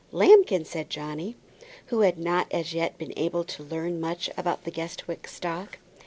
"Lambkin," said Johnny, who had not as yet been able to learn much about the Guestwick stock.